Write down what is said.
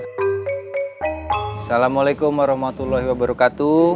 assalamualaikum warahmatullahi wabarakatu